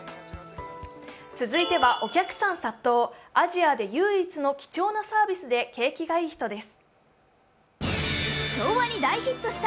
続いてはお客さん殺到、アジアで唯一の貴重なサービスで景気がイイ人です。